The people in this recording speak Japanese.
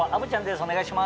お願いします。